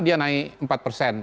dia naik empat persen